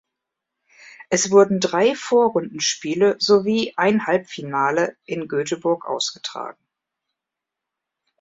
Es wurden drei Vorrundenspiele sowie ein Halbfinale in Göteborg ausgetragen.